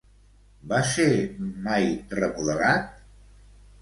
Va ser mai remodelat?